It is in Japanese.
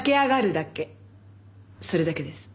それだけです。